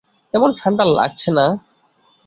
তেমন ঠান্ডা লাগছে না।